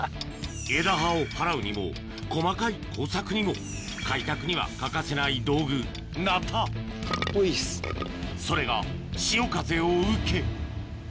枝葉を払うにも細かい工作にも開拓には欠かせない道具鉈それが潮風を受け